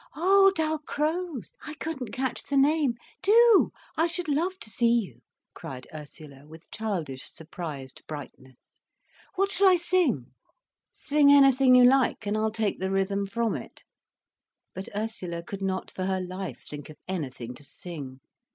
"Oh Dalcroze! I couldn't catch the name. Do—I should love to see you," cried Ursula, with childish surprised brightness. "What shall I sing?" "Sing anything you like, and I'll take the rhythm from it." But Ursula could not for her life think of anything to sing.